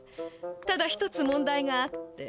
ただ一つ問題があって。